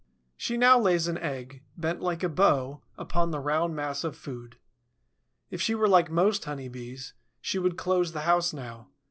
She now lays an egg, bent like a bow, upon the round mass of food. If she were like most Honeybees, she would close the house now.